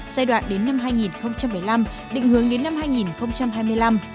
giai đoạn đến năm hai nghìn một mươi năm định hướng đến năm hai nghìn hai mươi năm